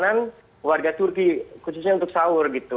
makanan warga turki khususnya untuk sahur gitu